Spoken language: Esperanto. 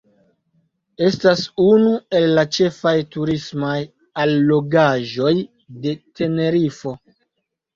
Estas unu el la ĉefaj turismaj allogaĵoj de Tenerifo.